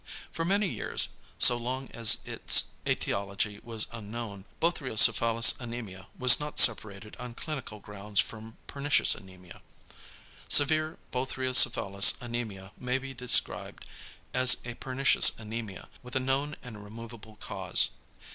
For many years, so long as its ætiology was unknown, Bothriocephalus anæmia was not separated on clinical grounds from pernicious anæmia. Severe Bothriocephalus anæmia may be described as a pernicious anæmia, with a known and removable cause.